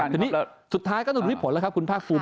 ทีนี้สุดท้ายก็ต้องดูให้ผลแล้วครับคุณภาคภูมิ